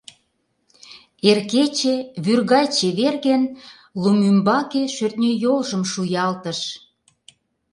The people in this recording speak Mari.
Эр кече, вӱр гай чеверген, лум ӱмбаке шӧртньӧ йолжым шуялтыш.